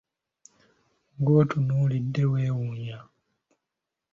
Ng'ontunuulidde weewuunya.